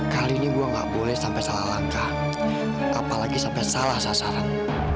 kali ini gue gak boleh sampai salah langkah apalagi sampai salah sasaran